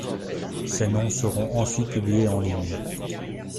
Ces noms seront ensuite publiés en ligne.